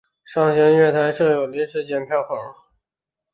上行月台设有临时剪票口。